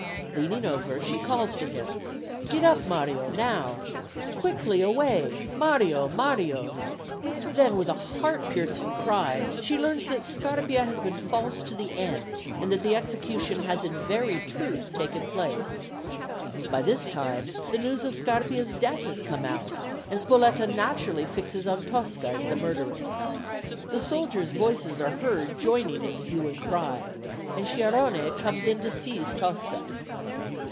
Leaning over, she calls to him: "Get up, Mario, now. Quickly away, Mario, Mario." Then with a heart piercing cry she learns that Scarpia has been false to the end, and that the execution has in very truth taken place. By this time the news of Scarpia's death has come out, and Spoletta naturally fixes on Tosca as the murderess. The soldiers' voices are heard joining in the hue and cry, and Sciarrone comes in to seize Tosca.